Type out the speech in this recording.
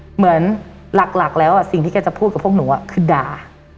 เหมือนหลักแล้วสิ่งที่แกจะพูดกับพวกหนูคือด่า